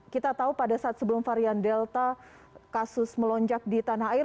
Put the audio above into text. kita tahu pada saat sebelum varian delta kasus melonjak di tanah air